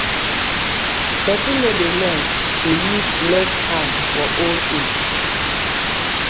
Person no dey learn to use left hand for old age: